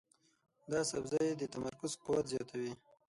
دا سبزی د تمرکز قوت زیاتوي.